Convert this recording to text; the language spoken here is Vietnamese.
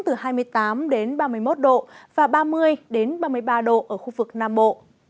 từ hai mươi tám đến ba mươi một độ và ba mươi ba mươi ba độ ở khu vực nam bộ